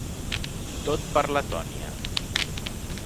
Tot per Letònia!